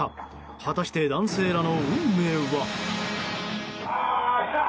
果たして、男性らの運命は？